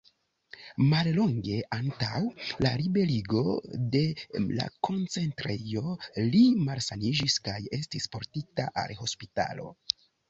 Mallonge antaŭ la liberigo de la koncentrejo, li malsaniĝis kaj estis portita al hospitalo.